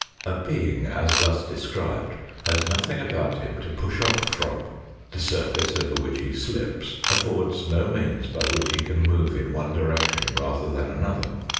A being as thus described has nothing about him to push off from, the surface over which he slips affords no means by which he can move in one direction rather than another.